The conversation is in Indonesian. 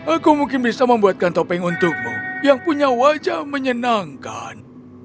aku mungkin bisa membuatkan topeng untukmu yang punya wajah menyenangkan